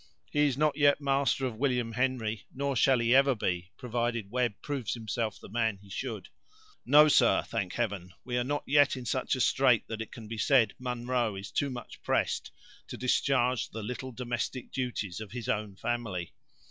"He is not yet master of William Henry, nor shall he ever be, provided Webb proves himself the man he should. No, sir, thank Heaven we are not yet in such a strait that it can be said Munro is too much pressed to discharge the little domestic duties of his own family.